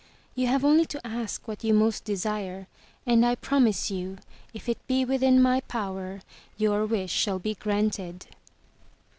You have only to ask what you most desire and I prom ise you if it be within my power, your wish shall be granted."